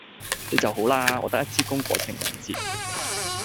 你就好啦！我得一支公過情人節